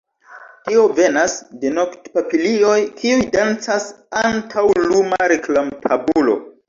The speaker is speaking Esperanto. Tio venas de noktpapilioj, kiuj dancas antaŭ luma reklamtabulo.